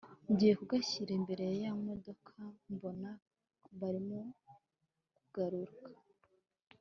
ngiye kugashyira imbere ya ya modoka mbona barimo kugaruka